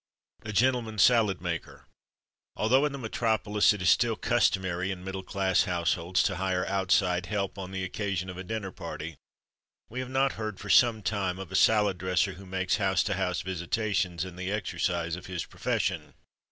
A Gentleman Salad Maker. Although in the metropolis it is still customary, in middle class households, to hire "outside help" on the occasion of a dinner party, we have not heard for some time of a salad dresser who makes house to house visitations in the exercise of his profession.